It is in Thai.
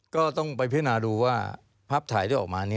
ก็ต้องไปพินาดูว่าภาพถ่ายที่ออกมา